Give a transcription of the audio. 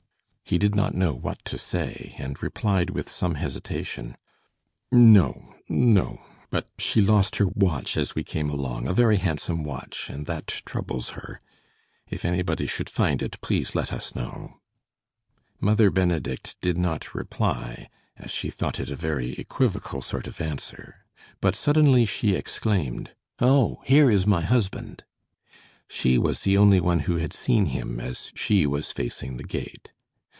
He did not know what to say, and replied with some hesitation: "No no but she lost her watch as we came along, a very handsome watch, and that troubles her. If anybody should find it, please let us know." Mother Benedict did not reply, as she thought it a very equivocal sort of answer, but suddenly she exclaimed: "Oh, here is my husband!" She was the only one who had seen him, as she was facing the gate.